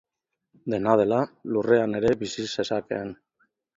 Dena dela, lurrean ere bizi zezakeen.